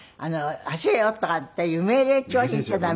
走れよとかっていう命令調にしちゃ駄目。